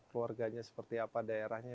keluarganya seperti apa daerahnya